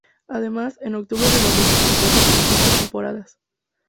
Además, en octubre renovó su contrato por cinco temporadas.